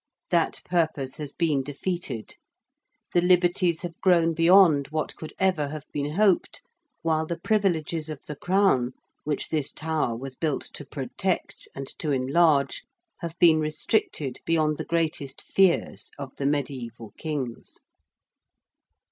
That purpose has been defeated. The liberties have grown beyond what could ever have been hoped while the privileges of the Crown, which this Tower was built to protect and to enlarge, have been restricted beyond the greatest fears of the mediæval kings.